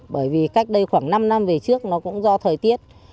bởi vì cách đây khoảng năm năm về trước nó cũng do thời tiết